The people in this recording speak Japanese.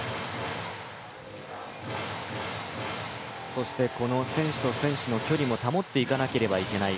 そして選手と選手の距離も保っていかなければいけない。